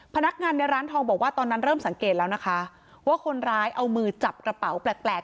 พนักงานในร้านทองบอกว่าตอนนั้นเริ่มสังเกตแล้วนะคะว่าคนร้ายเอามือจับกระเป๋าแปลกแปลก